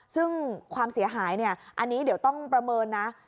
ซึ่งความเสียหายเนี่ยอันนี้เดี๋ยวต้องประเมินนะ